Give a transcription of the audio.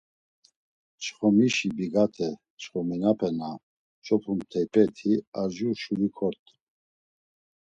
Çxomişi bigate çxominape na ç̌opumt̆eypeti ar jur şuri kort̆u.